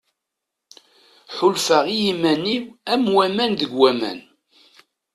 Ḥulfaɣ i yiman-iw am waman deg waman.